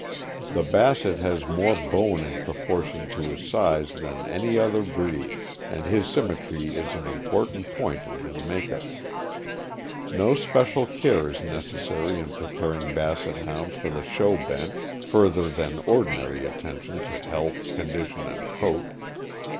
The Basset has more bone in proportion to his size than any other breed, and his symmetry is an important point in his make up. No especial care is necessary in preparing Basset Hounds for the show bench, further than ordinary attention to health, condition, and coat.